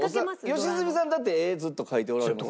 良純さんだって絵ずっと描いておられます。